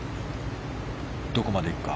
どこまで行くか。